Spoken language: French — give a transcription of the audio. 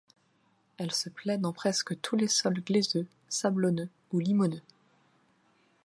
Elle se plaît dans presque tous les sols glaiseux, sablonneux ou limoneux.